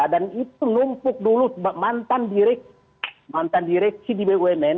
itu numpuk dulu mantan direksi di bumn